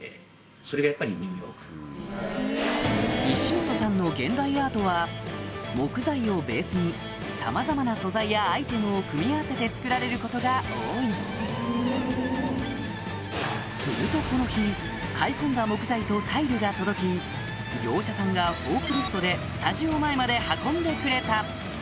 西本さんの現代アートは木材をベースにさまざまな素材やアイテムを組み合わせて作られることが多いするとこの日買い込んだ業者さんがフォークリフトでスタジオ前まで運んでくれた